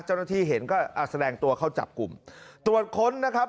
เจ้าหน้าที่เห็นก็อ่ะแสดงตัวเข้าจับกลุ่มตรวจค้นนะครับ